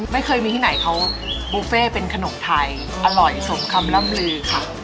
ไม่เคยมีที่ไหนเขาบุฟเฟ่เป็นขนมไทยอร่อยสมคำล่ำลือค่ะ